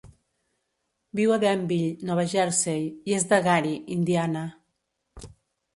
Viu a Denville, Nova Jersey, i és de Gary, Indiana.